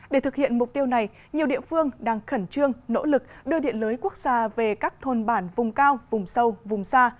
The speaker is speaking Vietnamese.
để thực hiện mục tiêu này nhiều địa phương đang khẩn trương nỗ lực đưa điện lưới quốc gia về các thôn bản vùng cao vùng sâu vùng xa